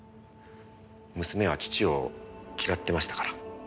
娘は父を嫌ってましたから。